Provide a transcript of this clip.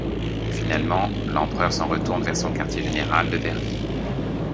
Finalement, l'empereur s'en retourne vers son quartier général de Verviers.